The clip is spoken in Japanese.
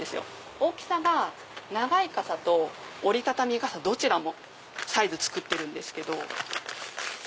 大きさが長い傘と折り畳み傘どちらもサイズ作ってるんですけど。